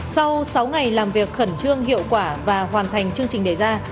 sau sáu ngày làm việc khẩn trương hiệu quả và hoàn thành chương trình đề ra